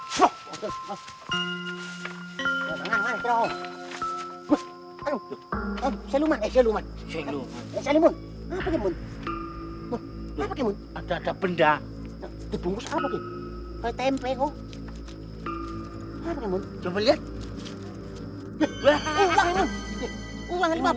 seluman seluman seluman seluman ada benda di bungkus apa kek